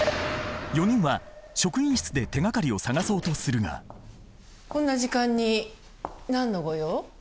４人は職員室で手がかりを探そうとするがこんな時間に何のご用？